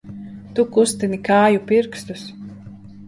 Tu kustini kāju pirkstus!